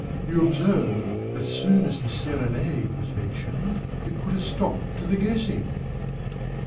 You observe, as soon as the Serenade was mentioned, it put a stop to the guessing.